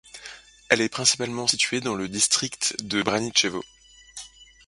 Elle est principalement située dans le district de Braničevo.